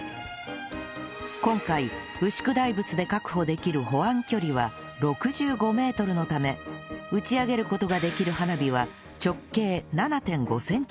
今回牛久大仏で確保できる保安距離は６５メートルのため打ち上げる事ができる花火は直径 ７．５ センチのもの